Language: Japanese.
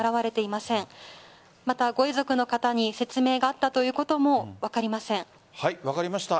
また、ご遺族の方に説明があったということも分かりました。